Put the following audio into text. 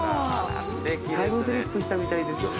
タイムスリップしたみたいですよ。